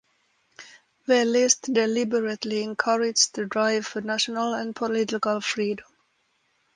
Velliste deliberately encouraged the drive for national and political freedom.